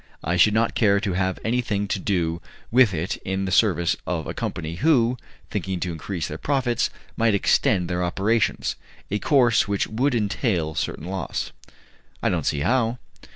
I should not care to have anything to do with it in the service of a company, who, thinking to increase their profits, might extend their operations a course which would entail certain loss." "I don't see how."